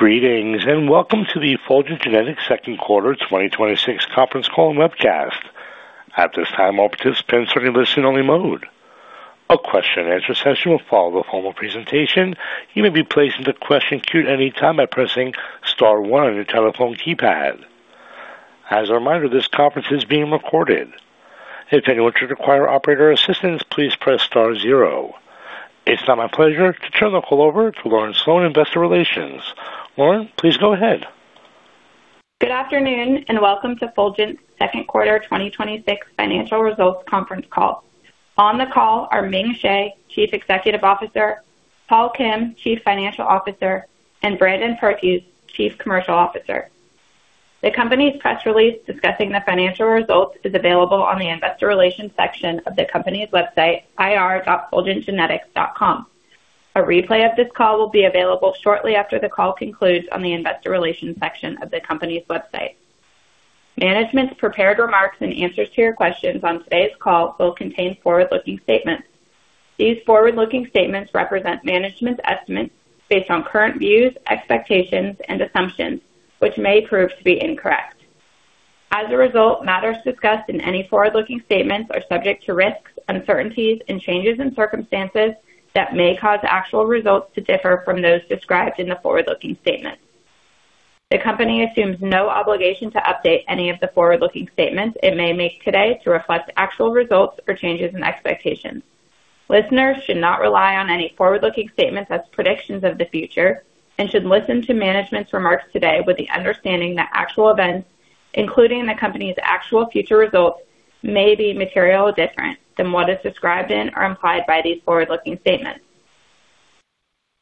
Greetings. Welcome to the Fulgent Genetics Q2 2026 conference call and webcast. At this time, all participants are in listen only mode. A question and answer session will follow the formal presentation. You may be placed into the question queue at any time by pressing star one on your telephone keypad. As a reminder, this conference is being recorded. If anyone should require operator assistance, please press star zero. It is now my pleasure to turn the call over to Lauren Sloane, Investor Relations. Lauren, please go ahead. Good afternoon. Welcome to Fulgent's Q2 2026 financial results conference call. On the call are Ming Hsieh, Chief Executive Officer, Paul Kim, Chief Financial Officer, and Brandon Perthuis, Chief Commercial Officer. The company's press release discussing the financial results is available on the Investor Relations section of the company's website, ir.fulgentgenetics.com. A replay of this call will be available shortly after the call concludes on the Investor Relations section of the company's website. Management's prepared remarks and answers to your questions on today's call will contain forward-looking statements. These forward-looking statements represent management's estimates based on current views, expectations, and assumptions, which may prove to be incorrect. As a result, matters discussed in any forward-looking statements are subject to risks, uncertainties, and changes in circumstances that may cause actual results to differ from those described in the forward-looking statements. The company assumes no obligation to update any of the forward-looking statements it may make today to reflect actual results or changes in expectations. Listeners should not rely on any forward-looking statements as predictions of the future and should listen to management's remarks today with the understanding that actual events, including the company's actual future results, may be materially different than what is described in or implied by these forward-looking statements.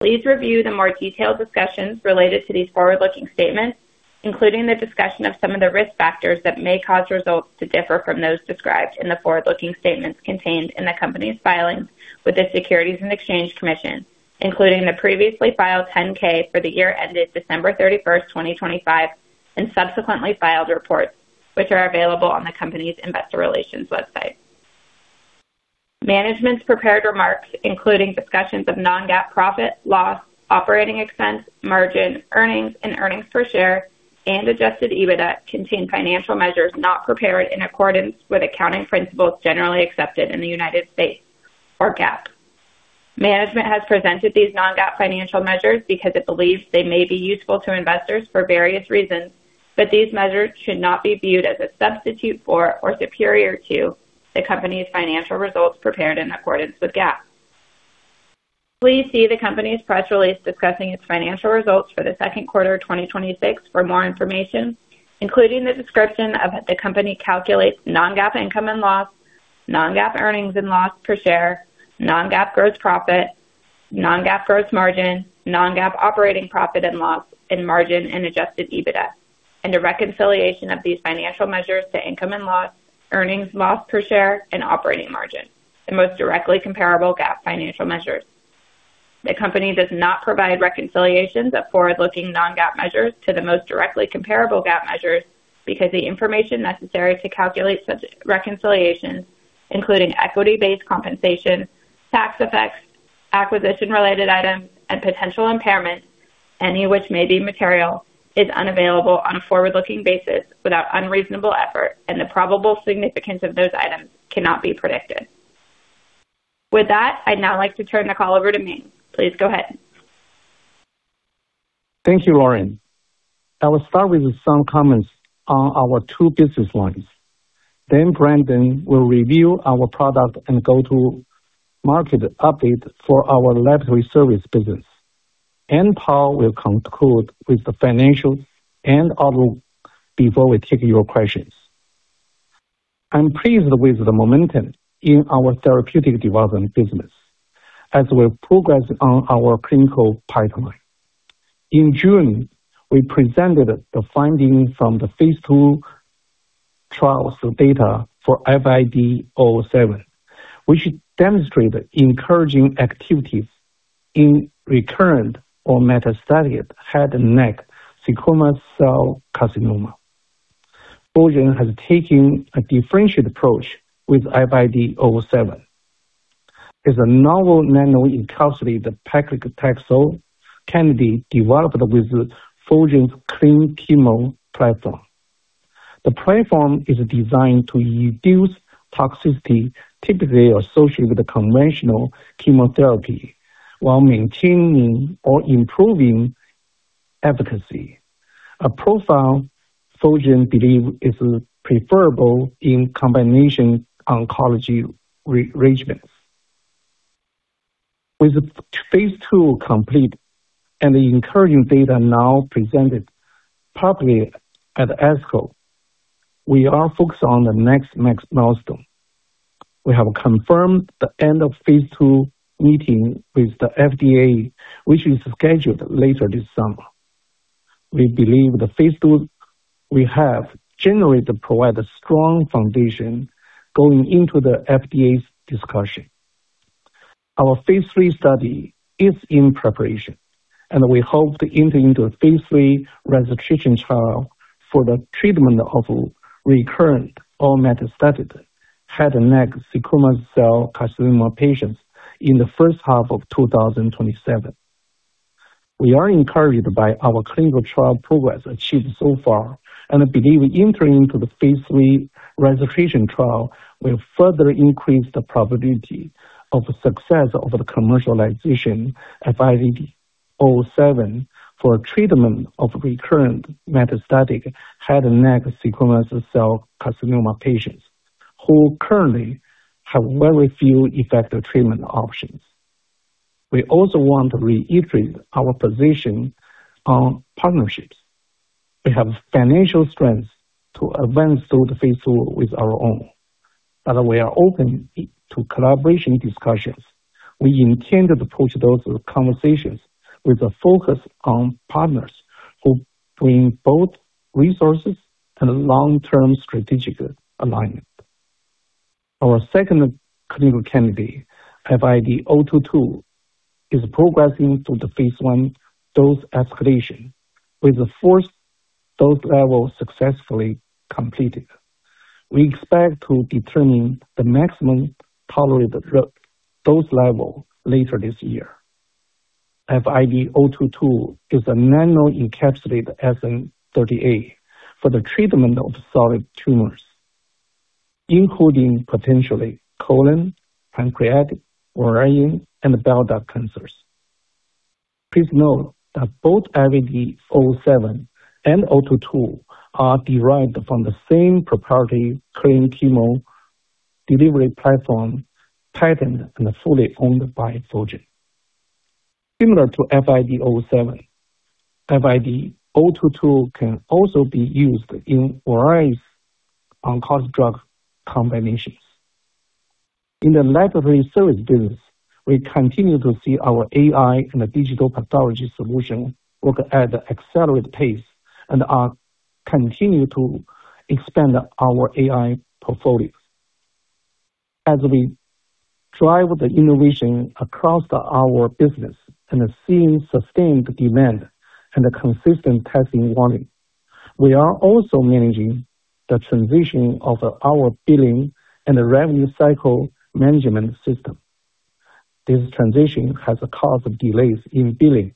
Please review the more detailed discussions related to these forward-looking statements, including the discussion of some of the risk factors that may cause results to differ from those described in the forward-looking statements contained in the company's filings with the Securities and Exchange Commission, including the previously filed 10-K for the year ended December 31st, 2025, and subsequently filed reports, which are available on the company's Investor Relations website. Management's prepared remarks, including discussions of non-GAAP profit, loss, operating expense, margin, earnings, and earnings per share, and adjusted EBITDA, contain financial measures not prepared in accordance with accounting principles generally accepted in the U.S., or GAAP. Management has presented these non-GAAP financial measures because it believes they may be useful to investors for various reasons. These measures should not be viewed as a substitute for or superior to the company's financial results prepared in accordance with GAAP. Please see the company's press release discussing its financial results for the Q2 of 2026 for more information, including the description of the company calculates non-GAAP income and loss, non-GAAP earnings and loss per share, non-GAAP gross profit, non-GAAP gross margin, non-GAAP operating profit and loss and margin and adjusted EBITDA. A reconciliation of these financial measures to income and loss, earnings, loss per share and operating margin, the most directly comparable GAAP financial measures. The company does not provide reconciliations of forward-looking non-GAAP measures to the most directly comparable GAAP measures because the information necessary to calculate such reconciliations, including equity-based compensation, tax effects, acquisition-related items, and potential impairment, any of which may be material, is unavailable on a forward-looking basis without unreasonable effort, and the probable significance of those items cannot be predicted. With that, I'd now like to turn the call over to Ming. Please go ahead. Thank you, Lauren. I will start with some comments on our two business lines. Brandon will review our product and go-to-market update for our laboratory service business. Paul will conclude with the financial and outlook before we take your questions. I'm pleased with the momentum in our therapeutic development business as we progress on our clinical pipeline. In June, we presented the findings from the phase II trials data for FID-007, which demonstrate encouraging activities in recurrent or metastatic head and neck squamous cell carcinoma. Fulgent has taken a differentiated approach with FID-007. It's a novel nano-encapsulated paclitaxel candidate developed with Fulgent's CleanChemo platform. The platform is designed to reduce toxicity typically associated with conventional chemotherapy while maintaining or improving efficacy, a profile Fulgent believe is preferable in combination oncology regimens. With phase II complete and the encouraging data now presented publicly at ASCO, we are focused on the next milestone. We have confirmed the end of phase II meeting with the FDA, which is scheduled later this summer. We believe the phase II we have generally provide a strong foundation going into the FDA's discussion. Our phase III study is in preparation, and we hope to enter into a phase III registration trial for the treatment of recurrent or metastatic head and neck squamous cell carcinoma patients in the first half of 2027. We are encouraged by our clinical trial progress achieved so far and believe entering into the phase III registration trial will further increase the probability of success of the commercialization of FID-007 for treatment of recurrent metastatic head and neck squamous cell carcinoma patients who currently have very few effective treatment options. We also want to reiterate our position on partnerships. We have financial strength to advance through the phase II with our own, but we are open to collaboration discussions. We intend to approach those conversations with a focus on partners who bring both resources and long-term strategic alignment. Our second clinical candidate, FID-022, is progressing through the phase I dose escalation. With the first dose level successfully completed, we expect to determine the maximum tolerated dose level later this year. FID-022 is a nano-encapsulated SN-38 for the treatment of solid tumors, including potentially colon, pancreatic, ovarian, and bile duct cancers. Please note that both FID-007 and FID-022 are derived from the same proprietary CleanChemo delivery platform, patented and fully owned by Fulgent. Similar to FID-007, FID-022 can also be used in various oncology drug combinations. In the laboratory service business, we continue to see our AI and digital pathology solution work at an accelerated pace and are continuing to expand our AI portfolio. As we drive the innovation across our business and are seeing sustained demand and a consistent testing volume, we are also managing the transition of our billing and revenue cycle management system. This transition has caused delays in billing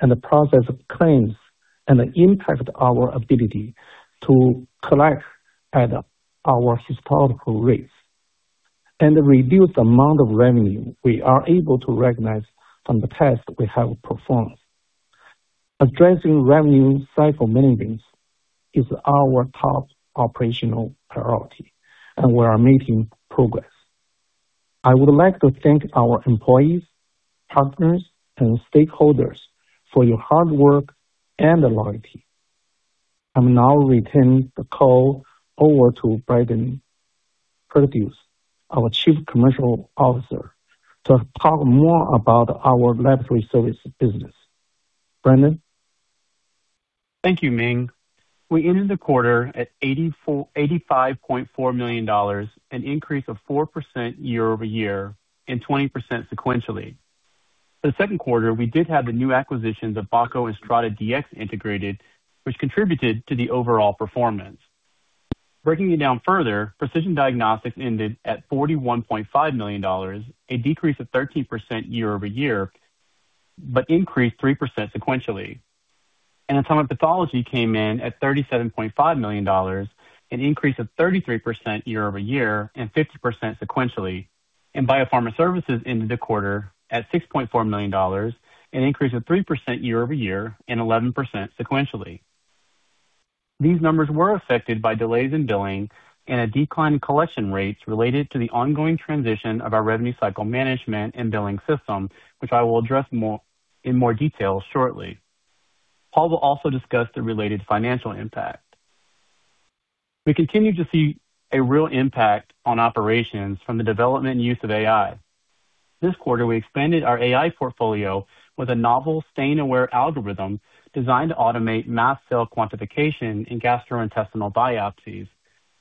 and the process of claims, and impacted our ability to collect at our historical rates and reduced the amount of revenue we are able to recognize from the tests we have performed. Addressing revenue cycle maintenance is our top operational priority, and we are making progress. I would like to thank our employees, partners, and stakeholders for your hard work and loyalty. I will now return the call over to Brandon Perthuis, our Chief Commercial Officer, to talk more about our laboratory service business. Brandon. Thank you, Ming. We ended the quarter at $85.4 million, an increase of four percent year-over-year and 20% sequentially. The Q2, we did have the new acquisitions of Bako and StrataDx integrated, which contributed to the overall performance. Breaking it down further, Precision Diagnostics ended at $41.5 million, a decrease of 13% year-over-year, but increased three percent sequentially. Anatomopathology came in at $37.5 million, an increase of 33% year-over-year and 50% sequentially. Biopharma Services ended the quarter at $6.4 million, an increase of three percent year-over-year and 11% sequentially. These numbers were affected by delays in billing and a decline in collection rates related to the ongoing transition of our revenue cycle management and billing system, which I will address in more detail shortly. Paul will also discuss the related financial impact. We continue to see a real impact on operations from the development and use of AI. This quarter, we expanded our AI portfolio with a novel stain-aware algorithm designed to automate mast cell quantification in gastrointestinal biopsies,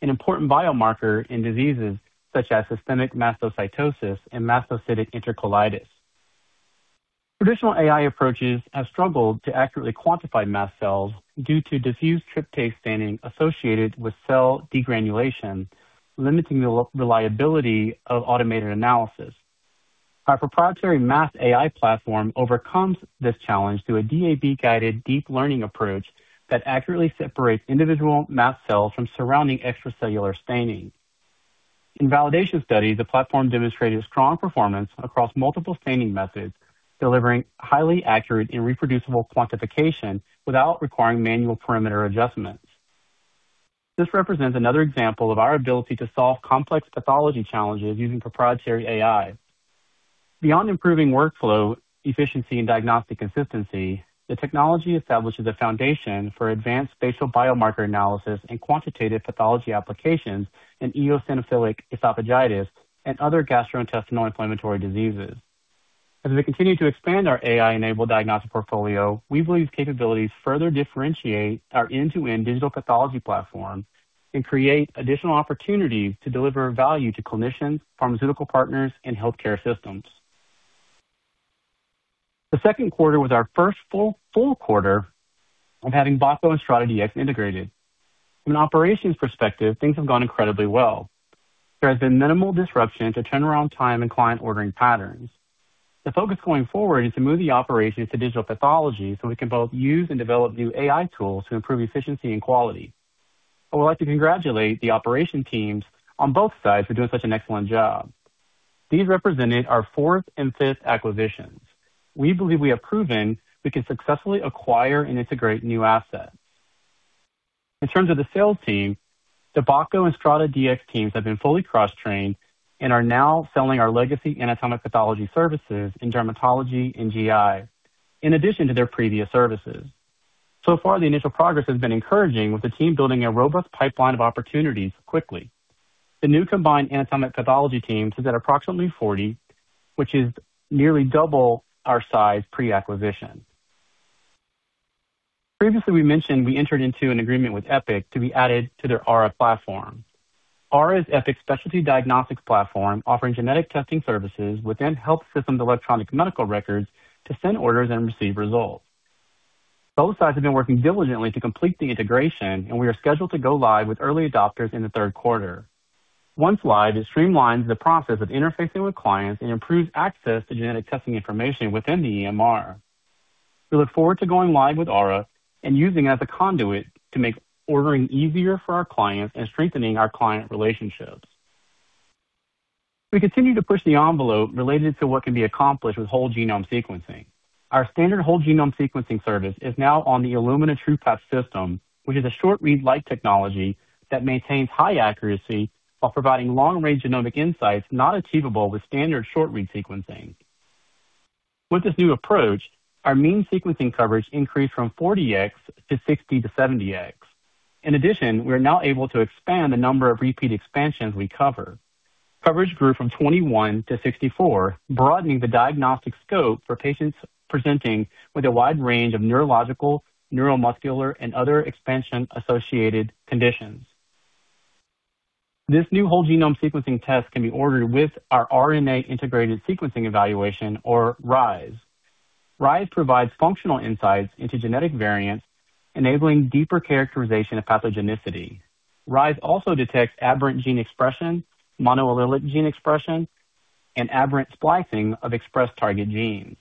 an important biomarker in diseases such as systemic mastocytosis and mastocytic enterocolitis. Traditional AI approaches have struggled to accurately quantify mast cells due to diffuse tryptase staining associated with cell degranulation, limiting the reliability of automated analysis. Our proprietary Mast AI platform overcomes this challenge through a DAB-guided deep learning approach that accurately separates individual mast cells from surrounding extracellular staining. In validation studies, the platform demonstrated strong performance across multiple staining methods, delivering highly accurate and reproducible quantification without requiring manual parameter adjustments. This represents another example of our ability to solve complex pathology challenges using proprietary AI. Beyond improving workflow efficiency and diagnostic consistency, the technology establishes a foundation for advanced facial biomarker analysis and quantitative pathology applications in eosinophilic esophagitis and other gastrointestinal inflammatory diseases. As we continue to expand our AI-enabled diagnostic portfolio, we believe capabilities further differentiate our end-to-end digital pathology platform and create additional opportunities to deliver value to clinicians, pharmaceutical partners, and healthcare systems. The Q2 was our first full quarter of having Bako and StrataDx integrated. From an operations perspective, things have gone incredibly well. There has been minimal disruption to turnaround time and client ordering patterns. The focus going forward is to move the operations to digital pathology, so we can both use and develop new AI tools to improve efficiency and quality. I would like to congratulate the operation teams on both sides for doing such an excellent job. These represented our fourth and fifth acquisitions. We believe we have proven we can successfully acquire and integrate new assets. In terms of the sales team, the Bako and StrataDx teams have been fully cross-trained and are now selling our legacy anatomic pathology services in dermatology and GI, in addition to their previous services. So far, the initial progress has been encouraging, with the team building a robust pipeline of opportunities quickly. The new combined anatomic pathology team sits at approximately 40, which is nearly double our size pre-acquisition. Previously, we mentioned we entered into an agreement with Epic to be added to their Aura platform. Aura is Epic's specialty diagnostics platform, offering genetic testing services within health systems electronic medical records to send orders and receive results. Both sides have been working diligently to complete the integration, and we are scheduled to go live with early adopters in the Q3. Once live, it streamlines the process of interfacing with clients and improves access to genetic testing information within the EMR. We look forward to going live with Aura and using it as a conduit to make ordering easier for our clients and strengthening our client relationships. We continue to push the envelope related to what can be accomplished with whole genome sequencing. Our standard whole genome sequencing service is now on the Illumina TruPath system, which is a short-read like technology that maintains high accuracy while providing long-range genomic insights not achievable with standard short-read sequencing. With this new approach, our mean sequencing coverage increased from 40X to 60 to 70X. In addition, we are now able to expand the number of repeat expansions we cover. Coverage grew from 21 to 64, broadening the diagnostic scope for patients presenting with a wide range of neurological, neuromuscular, and other expansion-associated conditions. This new whole genome sequencing test can be ordered with our RNA-Integrated Sequence Evaluation, or RISE. RISE provides functional insights into genetic variants, enabling deeper characterization of pathogenicity. RISE also detects aberrant gene expression, monoallelic gene expression, and aberrant splicing of expressed target genes.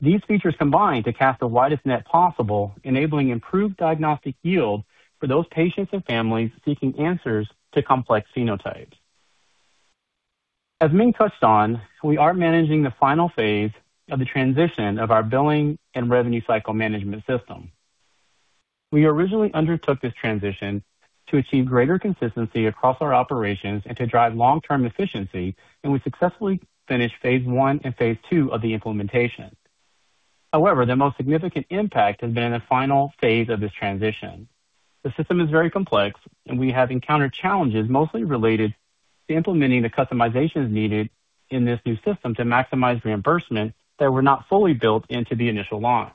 These features combine to cast the widest net possible, enabling improved diagnostic yield for those patients and families seeking answers to complex phenotypes. As Ming touched on, we are managing the final phase of the transition of our billing and revenue cycle management system. We originally undertook this transition to achieve greater consistency across our operations and to drive long-term efficiency, and we successfully finished phase I and phase II of the implementation. However, the most significant impact has been in the final phase of this transition. The system is very complex, and we have encountered challenges mostly related to implementing the customizations needed in this new system to maximize reimbursement that were not fully built into the initial launch.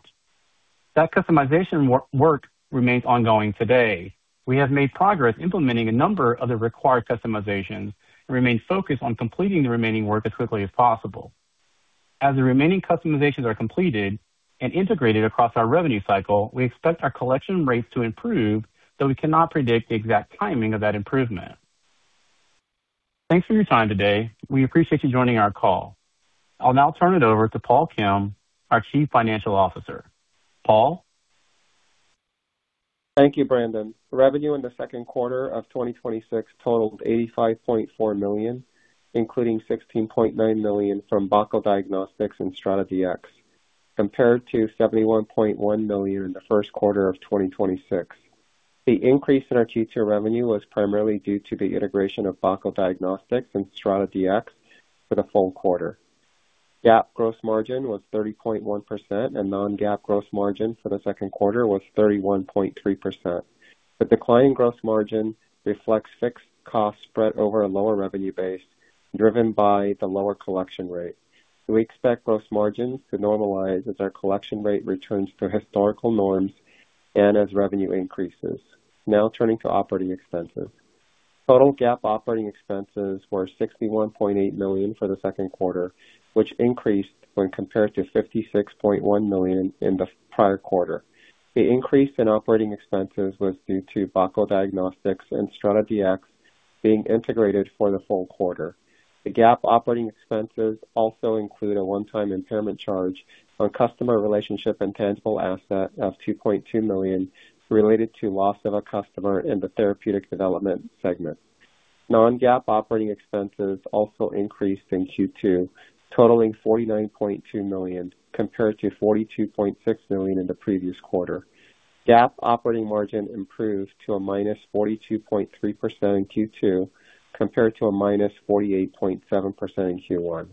That customization work remains ongoing today. We have made progress implementing a number of the required customizations and remain focused on completing the remaining work as quickly as possible. As the remaining customizations are completed and integrated across our revenue cycle, we expect our collection rates to improve, though we cannot predict the exact timing of that improvement. Thanks for your time today. We appreciate you joining our call. I'll now turn it over to Paul Kim, our Chief Financial Officer. Paul? Thank you, Brandon. Revenue in the Q2 of 2026 totaled $85.4 million, including $16.9 million from Bako Diagnostics and StrataDx, compared to $71.1 million in the Q1 of 2026. The increase in our Q2 revenue was primarily due to the integration of Bako Diagnostics and StrataDx for the full quarter. GAAP gross margin was 30.1%, and non-GAAP gross margin for the Q2 was 31.3%. The decline in gross margin reflects fixed costs spread over a lower revenue base, driven by the lower collection rate. We expect gross margins to normalize as our collection rate returns to historical norms and as revenue increases. Turning to operating expenses. Total GAAP operating expenses were $61.8 million for the Q2, which increased when compared to $56.1 million in the prior quarter. The increase in operating expenses was due to Bako Diagnostics and StrataDx being integrated for the full quarter. The GAAP operating expenses also include a one-time impairment charge on customer relationship intangible asset of $2.2 million related to loss of a customer in the therapeutic development segment. Non-GAAP operating expenses also increased in Q2, totaling $49.2 million, compared to $42.6 million in the previous quarter. GAAP operating margin improved to a -42.3% in Q2, compared to a -48.7% in Q1.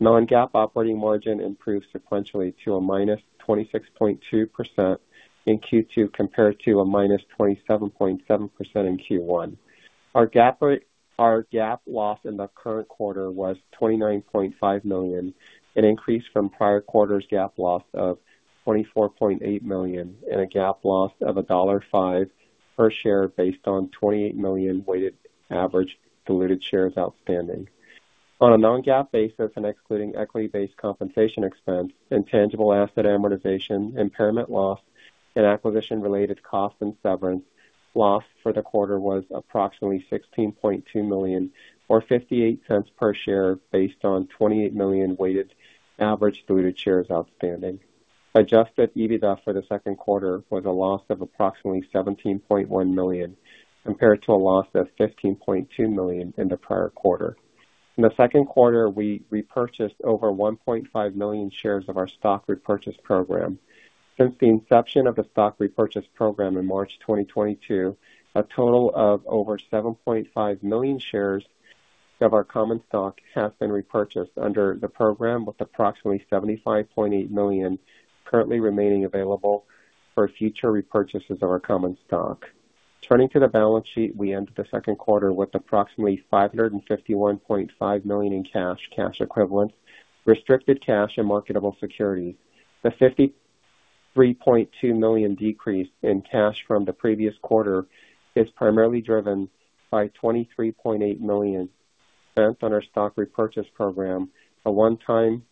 Non-GAAP operating margin improved sequentially to a -26.2% in Q2, compared to a -27.7% in Q1. Our GAAP loss in the current quarter was $29.5 million, an increase from prior quarter's GAAP loss of $24.8 million and a GAAP loss of $1.5 per share based on 28 million weighted average diluted shares outstanding. On a non-GAAP basis and excluding equity-based compensation expense and tangible asset amortization, impairment loss, and acquisition-related costs and severance, loss for the quarter was approximately $16.2 million or $0.58 per share based on 28 million weighted average diluted shares outstanding. Adjusted EBITDA for the Q2 was a loss of approximately $17.1 million, compared to a loss of $15.2 million in the prior quarter. In the Q2, we repurchased over 1.5 million shares of our stock repurchase program. Since the inception of the stock repurchase program in March 2022, a total of over 7.5 million shares of our common stock has been repurchased under the program, with approximately $75.8 million currently remaining available for future repurchases of our common stock. Turning to the balance sheet, we ended the Q2 with approximately $551.5 million in cash equivalents, restricted cash and marketable securities. The $53.2 million decrease in cash from the previous quarter is primarily driven by $23.8 million spent on our stock repurchase program, a one-time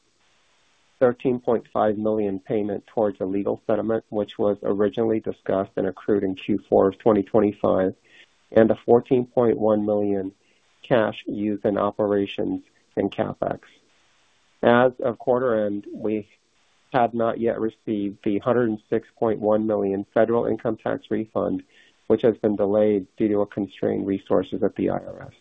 $13.5 million payment towards a legal settlement which was originally discussed and accrued in Q4 of 2025, and a $14.1 million cash used in operations and CapEx. As of quarter end, we have not yet received the $106.1 million federal income tax refund, which has been delayed due to constrained resources at the IRS.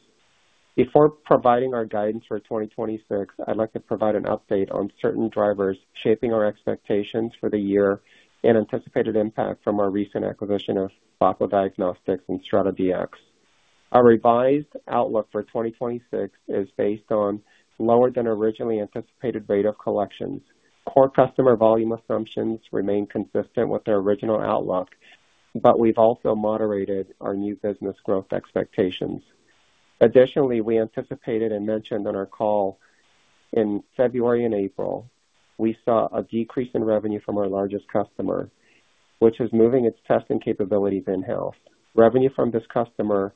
Before providing our guidance for 2026, I'd like to provide an update on certain drivers shaping our expectations for the year and anticipated impact from our recent acquisition of Bako Diagnostics and StrataDx. Our revised outlook for 2026 is based on lower than originally anticipated rate of collections. Core customer volume assumptions remain consistent with our original outlook, but we've also moderated our new business growth expectations. We anticipated and mentioned on our call in February and April, we saw a decrease in revenue from our largest customer, which is moving its testing capabilities in-house. Revenue from this customer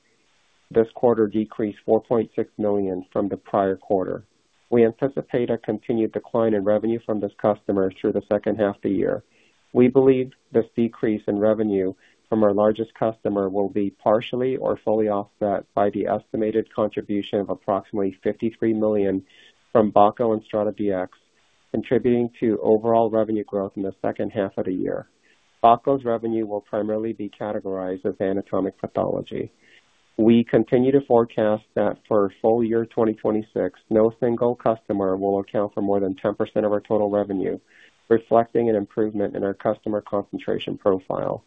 this quarter decreased $4.6 million from the prior quarter. We anticipate a continued decline in revenue from this customer through the second half of the year. We believe this decrease in revenue from our largest customer will be partially or fully offset by the estimated contribution of approximately $53 million from Bako and StrataDx, contributing to overall revenue growth in the second half of the year. Bako's revenue will primarily be categorized as anatomic pathology. We continue to forecast that for full year 2026, no single customer will account for more than 10% of our total revenue, reflecting an improvement in our customer concentration profile.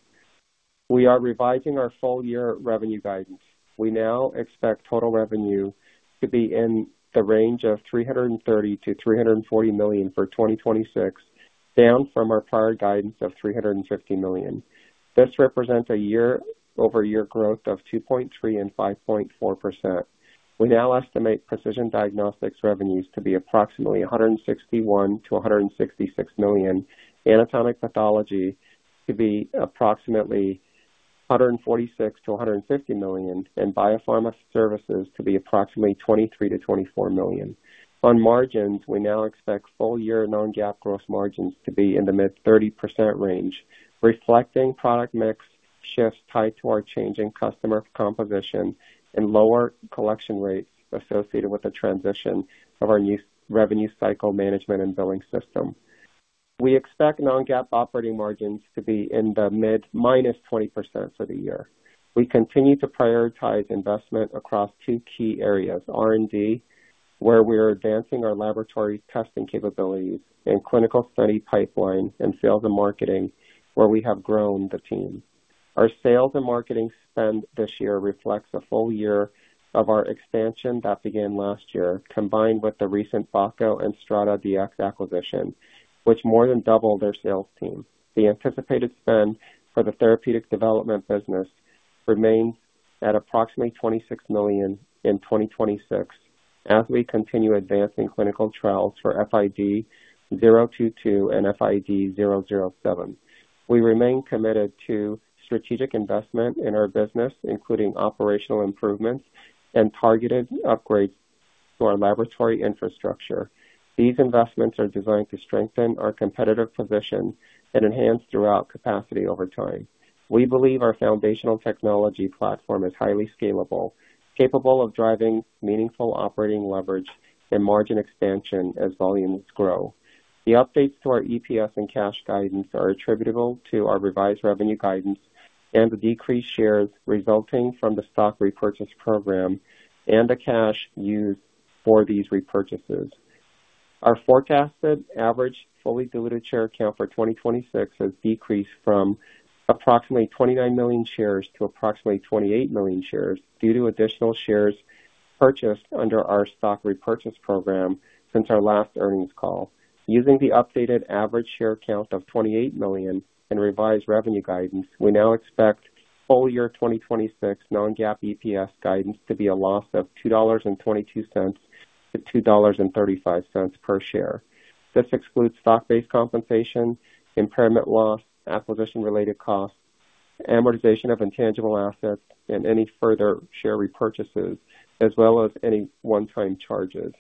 We are revising our full year revenue guidance. We now expect total revenue to be in the range of $330 million-$340 million for 2026, down from our prior guidance of $350 million. This represents a year-over-year growth of 2.3% and 5.4%. We now estimate precision diagnostics revenues to be approximately $161 million-$166 million, anatomic pathology to be approximately $146 million-$150 million, and biopharma services to be approximately $23 million-$24 million. On margins, we now expect full year non-GAAP growth margins to be in the mid-30% range, reflecting product mix shifts tied to our changing customer composition and lower collection rates associated with the transition of our new revenue cycle management and billing system. We expect non-GAAP operating margins to be in the mid-minus 20% for the year. We continue to prioritize investment across two key areas: R&D, where we are advancing our laboratory testing capabilities and clinical study pipeline, and sales and marketing, where we have grown the team. Our sales and marketing spend this year reflects the full year of our expansion that began last year, combined with the recent Bako and StrataDx acquisition, which more than doubled their sales team. The anticipated spend for the therapeutic development business remains at approximately $26 million in 2026 as we continue advancing clinical trials for FID-022 and FID-007. We remain committed to strategic investment in our business, including operational improvements and targeted upgrades to our laboratory infrastructure. These investments are designed to strengthen our competitive position and enhance throughout capacity over time. We believe our foundational technology platform is highly scalable, capable of driving meaningful operating leverage and margin expansion as volumes grow. The updates to our EPS and cash guidance are attributable to our revised revenue guidance and the decreased shares resulting from the stock repurchase program and the cash used for these repurchases. Our forecasted average fully diluted share count for 2026 has decreased from approximately 29 million shares to approximately 28 million shares due to additional shares purchased under our stock repurchase program since our last earnings call. Using the updated average share count of 28 million and revised revenue guidance, we now expect full year 2026 non-GAAP EPS guidance to be a loss of $2.22 to $2.35 per share. This excludes stock-based compensation, impairment loss, acquisition-related costs, amortization of intangible assets and any further share repurchases, as well as any one-time charges.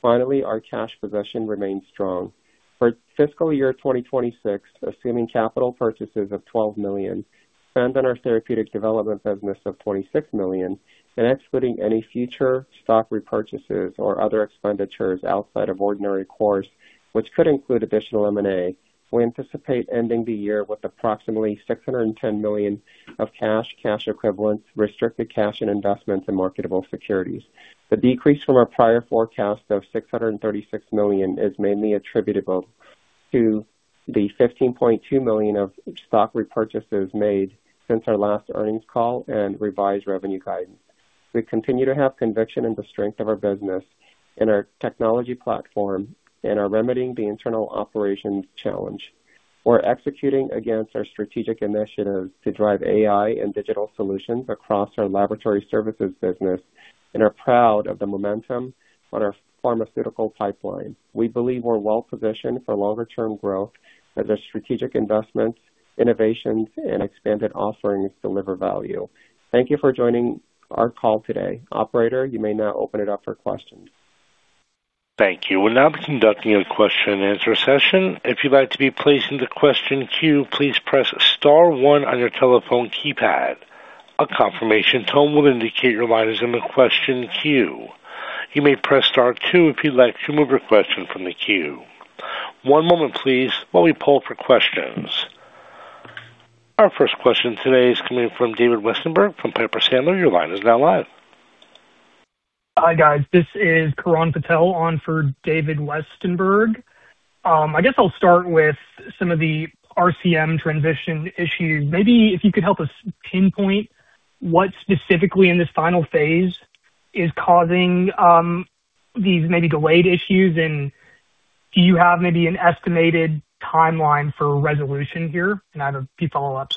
Finally, our cash position remains strong. For fiscal year 2026, assuming capital purchases of $12 million, spend on our therapeutic development business of $26 million, and excluding any future stock repurchases or other expenditures outside of ordinary course, which could include additional M&A, we anticipate ending the year with approximately $610 million of cash equivalents, restricted cash and investments in marketable securities. The decrease from our prior forecast of $636 million is mainly attributable to the $15.2 million of stock repurchases made since our last earnings call and revised revenue guidance. We continue to have conviction in the strength of our business and our technology platform and are remedying the internal operations challenge. We're executing against our strategic initiatives to drive AI and digital solutions across our laboratory services business and are proud of the momentum for our pharmaceutical pipeline. We believe we're well-positioned for longer term growth as our strategic investments, innovations, and expanded offerings deliver value. Thank you for joining our call today. Operator, you may now open it up for questions. Thank you. We'll now be conducting a question and answer session. If you'd like to be placed into question queue, please press star one on your telephone keypad. A confirmation tone will indicate your line is in the question queue. You may press star two if you'd like to remove your question from the queue. One moment please, while we poll for questions. Our first question today is coming from David Westenberg from Piper Sandler. Your line is now live. Hi, guys. This is Karan Patel on for David Westenberg. I guess I'll start with some of the RCM transition issues. Maybe if you could help us pinpoint what specifically in this final phase is causing these maybe delayed issues, and do you have maybe an estimated timeline for resolution here? I have a few follow-ups.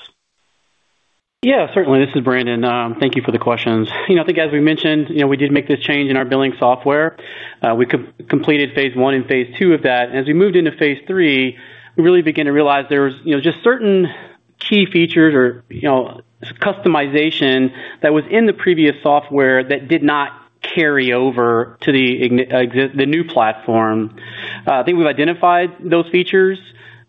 Yeah, certainly. This is Brandon. Thank you for the questions. I think as we mentioned, we did make this change in our billing software. We completed phase I and phase II of that. As we moved into phase III, we really began to realize there was just certain key features or customization that was in the previous software that did not carry over to the new platform. I think we've identified those features.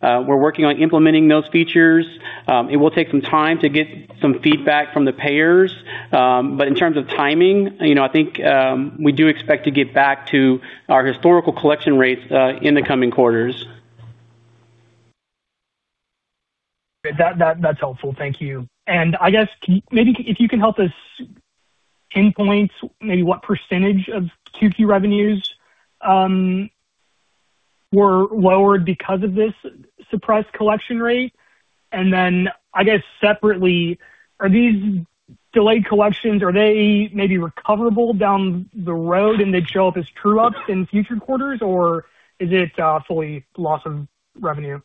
We're working on implementing those features. It will take some time to get some feedback from the payers. In terms of timing, I think we do expect to get back to our historical collection rates in the coming quarters. That's helpful. Thank you. I guess, maybe if you can help us pinpoint maybe what % of Q2 revenues were lowered because of this suppressed collection rate. I guess separately, are these delayed collections, are they maybe recoverable down the road and they show up as true ups in future quarters, or is it fully loss of revenue?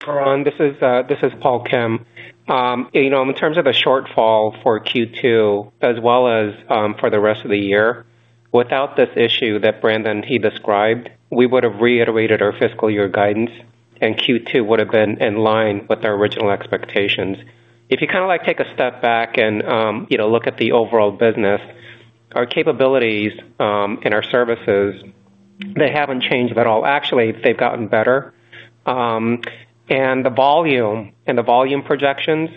Karan Patel, this is Paul Kim. In terms of a shortfall for Q2 as well as for the rest of the year, without this issue that Brandon, he described, we would have reiterated our fiscal year guidance and Q2 would have been in line with our original expectations. If you take a step back and look at the overall business, our capabilities and our services, they haven't changed at all. Actually, they've gotten better. The volume and the volume projections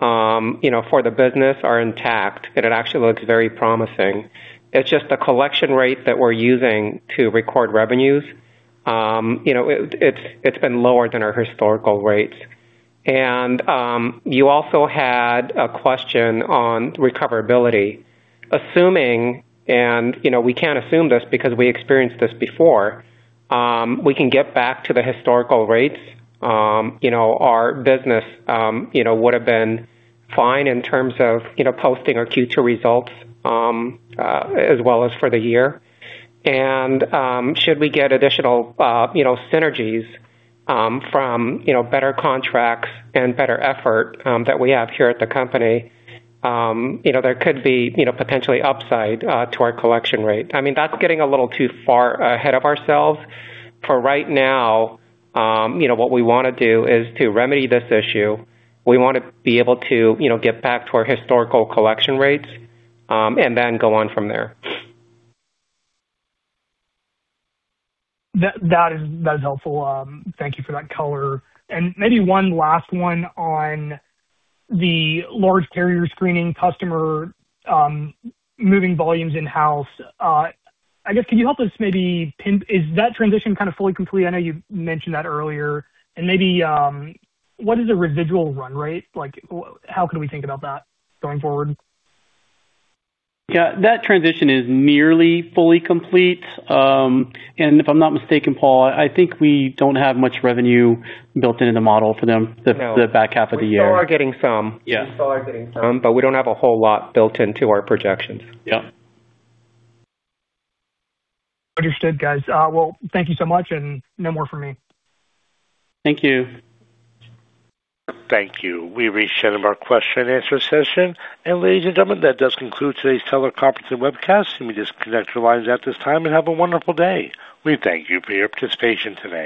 for the business are intact, and it actually looks very promising. It's just the collection rate that we're using to record revenues. It's been lower than our historical rates. You also had a question on recoverability. Assuming, and we can assume this because we experienced this before, we can get back to the historical rates. Our business would have been fine in terms of posting our Q2 results as well as for the year. Should we get additional synergies from better contracts and better effort that we have here at the company, there could be potentially upside to our collection rate. That's getting a little too far ahead of ourselves. For right now, what we want to do is to remedy this issue. We want to be able to get back to our historical collection rates and then go on from there. That is helpful. Thank you for that color. Maybe one last one on the large carrier screening customer moving volumes in-house. I guess, can you help us maybe Is that transition fully complete? I know you mentioned that earlier. Maybe what is a residual run rate? How can we think about that going forward? Yeah, that transition is nearly fully complete. If I'm not mistaken, Paul, I think we don't have much revenue built into the model for them the back half of the year. We still are getting some. Yeah. We still are getting some, but we don't have a whole lot built into our projections. Yeah. Understood, guys. Well, thank you so much, and no more from me. Thank you. Thank you. We've reached the end of our question and answer session. Ladies and gentlemen, that does conclude today's teleconference and webcast. You may disconnect your lines at this time, and have a wonderful day. We thank you for your participation today.